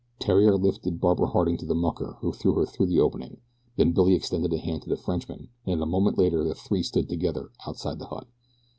Theriere lifted Barbara Harding to the mucker who drew her through the opening. Then Billy extended a hand to the Frenchman, and a moment later the three stood together outside the hut.